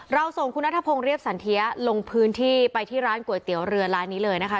ส่งคุณนัทพงศ์เรียบสันเทียลงพื้นที่ไปที่ร้านก๋วยเตี๋ยวเรือร้านนี้เลยนะคะ